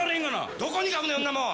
どこに書くねん、そんなもん！